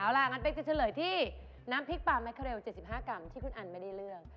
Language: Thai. เอาล่ะงั้นเป๊กจะเฉลยที่น้ำพริกปลาแมคาเรล๗๕กรัมที่คุณอันไม่ได้เลือก